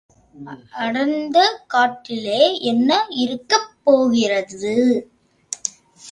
அனந்தங் காட்டிலே என்ன இருக்கப் போகிறது?